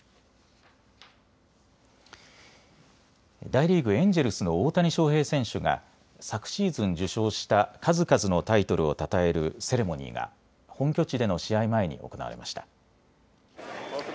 大リーグ、エンジェルスの大谷翔平選手が昨シーズン受賞した数々のタイトルをたたえるセレモニーが本拠地での試合前に行われました。